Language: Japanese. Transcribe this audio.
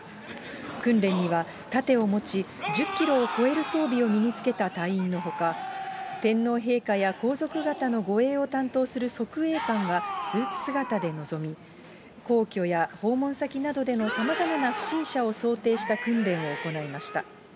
訓練には盾を持ち、１０キロを超える装備を身につけた隊員のほか、天皇陛下や皇族方の護衛を担当する側衛官がスーツ姿で臨み、皇居や訪問先などでの様々な不審者を想定した訓練を行いました。